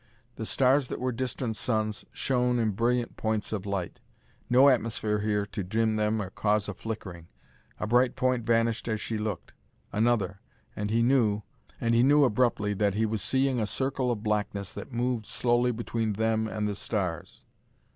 The stars that were distant suns shone in brilliant points of light; no atmosphere here to dim them or cause a flickering. A bright point vanished as she looked another! and he knew abruptly that he was seeing a circle of blackness that moved slowly between them and the stars.